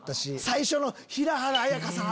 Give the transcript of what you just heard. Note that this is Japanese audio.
最初の平原綾香さん。